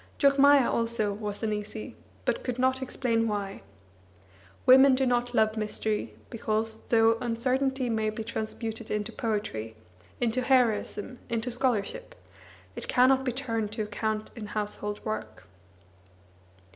Jogmaya also was uneasy, but could not explain why. Women do not love mystery, because, though uncertainty may be transmuted into poetry, into heroism, into scholarship, it cannot be turned to account in household work.